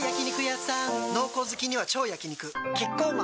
濃厚好きには超焼肉キッコーマン